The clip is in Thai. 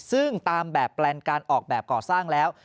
ซึ่งตามแบบแปลนการออกแบบก่อสร้างแล้ว